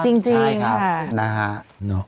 จริงค่ะใช่ครับนะครับ